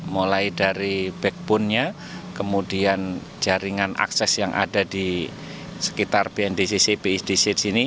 mulai dari backbone nya kemudian jaringan akses yang ada di sekitar bndcc bsdc ini